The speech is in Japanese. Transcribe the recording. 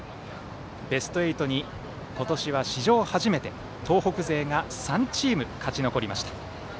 ベスト８に今年は史上初めて東北勢が３チーム勝ち残りました。